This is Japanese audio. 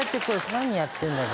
何やってんだよ？